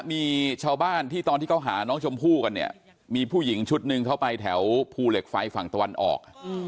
มีชาวบ้านที่ตอนที่เขาหาน้องชมพู่กันเนี่ยมีผู้หญิงชุดหนึ่งเข้าไปแถวภูเหล็กไฟฝั่งตะวันออก